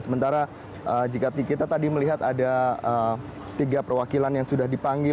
sementara jika kita tadi melihat ada tiga perwakilan yang sudah dipanggil